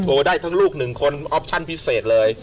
ได้ทั้งลูกหนึ่งคนออปชั่นพิเศษเลย